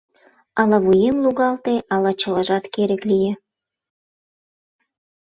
Ала вуем лугалте, ала чылажат керек лие.